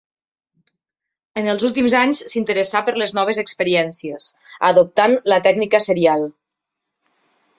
En els últims anys s'interessà per les noves experiències, adoptant la tècnica serial.